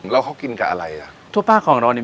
แล้วเขากินกับอะไรอ่ะ